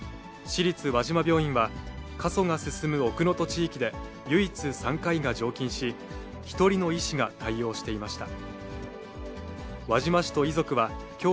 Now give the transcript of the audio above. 市立輪島病院は、過疎が進む奥能登地域で唯一、産科医が常勤し、１人の医師が対応していました。